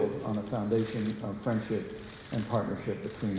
dan saya juga berpikir dengan keberhatan